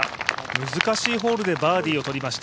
難しいホールでバーディーをとりました。